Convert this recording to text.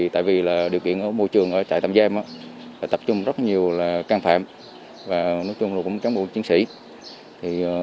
tại vì điều kiện môi trường ở trại tạm giam tập trung rất nhiều là căn phạm và nói chung là cũng cán bộ chiến sĩ